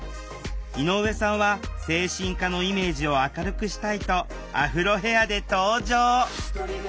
井上さんは精神科のイメージを明るくしたいとアフロヘアで登場！